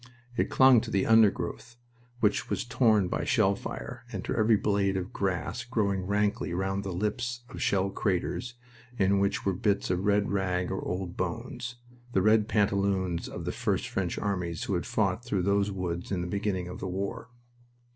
It clung to the undergrowth, which was torn by shell fire, and to every blade of grass growing rankly round the lips of shell craters in which were bits of red rag or old bones, the red pantaloons of the first French armies who had fought through those woods in the beginning of the war.